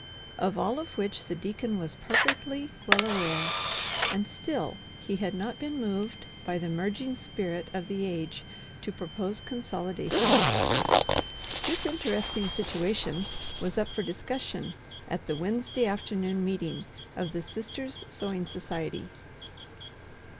Of all of which the deacon was perfectly well aware, and still he had not been moved by the merging spirit of the age to propose consolidation. This interesting situation was up for discussion at the Wednesday afternoon meeting of the Sisters' Sewing Society.